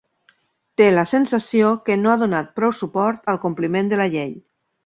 Té la sensació que no ha donat prou suport al compliment de la llei.